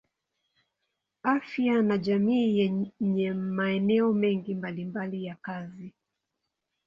Afya ya jamii yenye maeneo mengi mbalimbali ya kazi.